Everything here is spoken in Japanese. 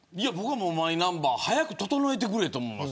マイナンバー早く整えてくれと思います。